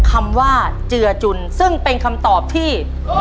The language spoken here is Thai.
คำว่าเจือจุนซึ่งเป็นคำตอบที่